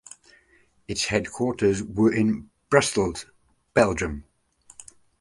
Its headquarters ware in Bruxelles, Belgium.